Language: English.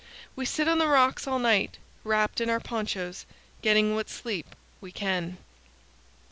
We sit on the rocks all night, wrapped in our ponchos, getting what sleep we can.